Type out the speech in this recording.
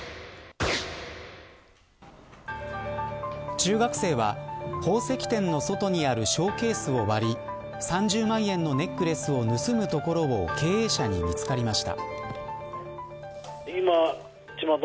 中学生は宝石店の外にあるショーケースを割り３０万円のネックレスを盗むところを経営者に見つかりました。